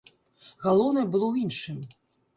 Галоўнае было ў іншым.